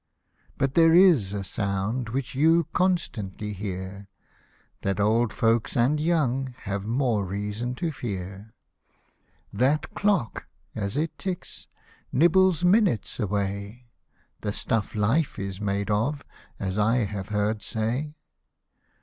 " But there is a sound which you constantly hear, That old folks and young have more reason to fear ; That clock as it ticks, nibbles minutes away, The stuff life is made of, as I have heard say.